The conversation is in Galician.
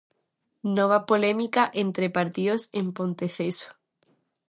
Nova polémica entre partidos en Ponteceso.